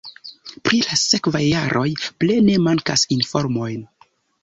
Pri la sekvaj jaroj plene mankas informoj.